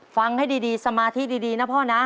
ฟังให้ดีสมาธิดีนะพ่อนะ